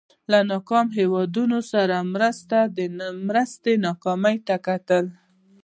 له ناکامو هېوادونو سره د مرستو ناکامۍ ته کتل.